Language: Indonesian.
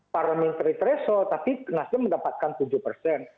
parlementary threshold tapi nasden mendapatkan